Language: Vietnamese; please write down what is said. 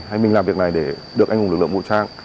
hay mình làm việc này để được anh hùng lực lượng vũ trang